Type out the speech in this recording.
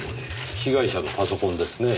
被害者のパソコンですねぇ。